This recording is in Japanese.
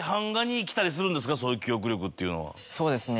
そうですね